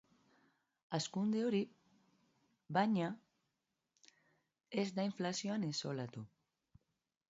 Hazkunde hori, baina, ez da inflazioan islatu.